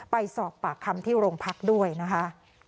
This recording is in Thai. ไปสอบปากคำที่โรงพักด้วยนะคะ